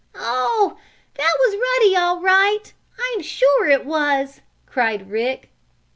"Oh, that was Ruddy all right! I'm sure it was!" cried Rick.